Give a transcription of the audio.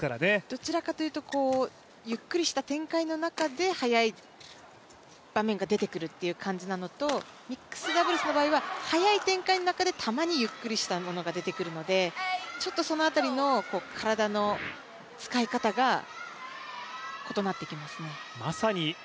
どちらかというとゆっくりした展開の中で速い場面が出てくるっていう感じなのとミックスダブルスの場合は速い展開の中でたまにゆっくりしたものが出てくるのでちょっとその辺りの体の使い方が異なってきますね。